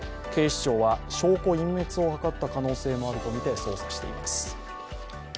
警視庁は証拠隠滅を図った可能性もあるとみて捜査しています。